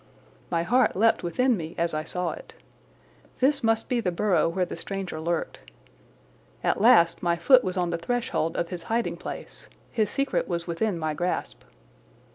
My heart leaped within me as I saw it. This must be the burrow where the stranger lurked. At last my foot was on the threshold of his hiding place—his secret was within my grasp.